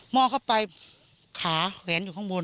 องเข้าไปขาแขวนอยู่ข้างบน